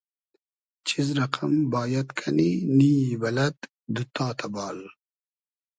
چیز رئقئم بایئد کئنی, نییی بئلئد, دوتتا تئبال